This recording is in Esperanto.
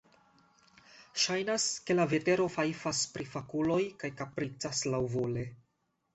Ŝajnas, ke la vetero fajfas pri fakuloj kaj kapricas laŭvole.